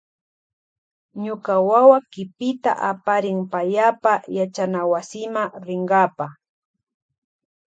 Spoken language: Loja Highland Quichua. Ñuka wawa kipita aparin payapa yachanawasima rinkapa.